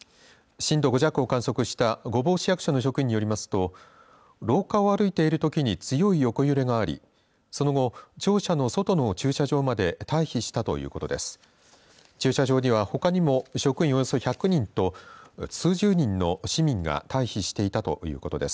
震度５弱を観測した御坊市役所の職員によりますと廊下を歩いているときに強い横揺れがありその後、庁舎の外の駐車場まで退避したということです。